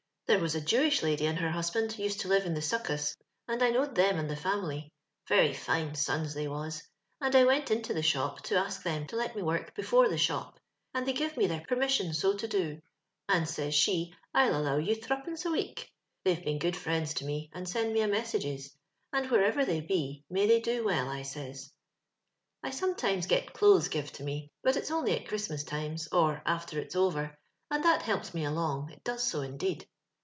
There was a Jewish lady and her husband used to live in the Suckus, and I knowed them and the family — very fine sons they was — and I went into tbe shop to ask them to let me work before Uie shop, and they give me their permission so to do, and, says she, *■ V\\ allow you threepence a week.' They've been good friends to me, and send me a messages ; and wherever they be, may they do well, I says. I sometimes gets clothes give to me, but it's only at Christmas times, or after its over ; and that helps me along — it does so, indeed.